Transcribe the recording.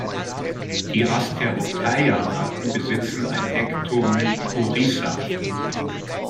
Die "Asteropeia"-Arten besitzen eine Ektomykorrhiza.